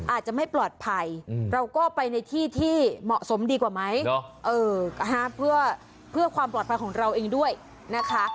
อาจจะไม่ปลอดภัยเราก็ไปในที่ที่เหมาะสมดีกว่าไหมเพื่อความปลอดภัยของเราเองด้วยนะคะ